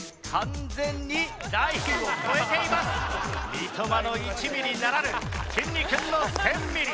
「三笘の１ミリ」ならぬ「きんに君の１０００ミリ」。